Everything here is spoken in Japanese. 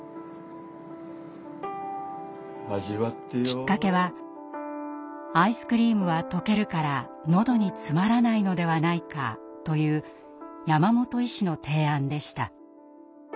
きっかけは「アイスクリームは溶けるからのどに詰まらないのではないか」という山本医師の提案でした。